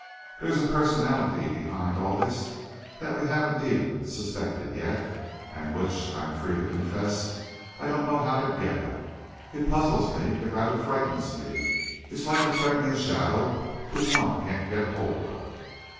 There's a personality behind all this that we haven't even suspected yet, and which, I am free to confess, I don't know how to get at. It puzzles me; it rather frightens me; it's like a threatening shadow which one can't get hold of."